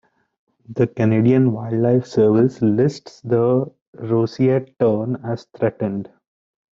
The Canadian Wildlife Service lists the roseate tern as Threatened.